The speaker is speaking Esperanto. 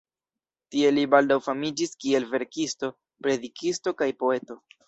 Tie li baldaŭ famiĝis kiel verkisto, predikisto kaj poeto.